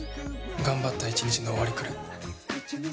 頑張った１日の終わりくらい。